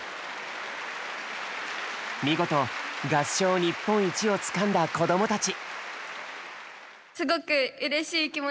見事合唱日本一をつかんだ子供たち。